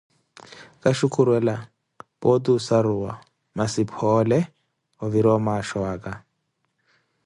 Kaxhukhurela, pooti osaruwa, masi phoole, ovire omaaxho waka.